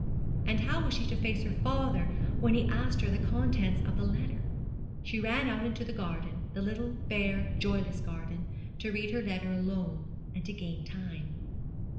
And how was she to face her father when he asked her the contents of the letter? She ran out into the garden the little bare, joyless garden to read her letter alone, and to gain time.